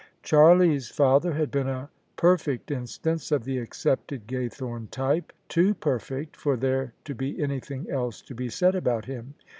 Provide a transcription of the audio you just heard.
Charlie's father had been a perfect instance of the accepted Gaythorne type: too perfect for there to be anything else to be said about him.